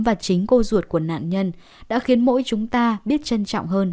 và chính cô ruột của nạn nhân đã khiến mỗi chúng ta biết trân trọng hơn